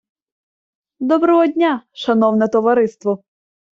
Доброго дня, шановне товариство!